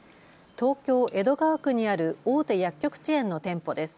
東京江戸川区にある大手薬局チェーンの店舗です。